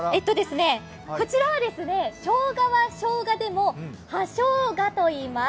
こちらは、しょうがはしょうがでも葉しょうがといいます。